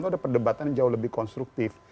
itu ada perdebatan yang jauh lebih konstruktif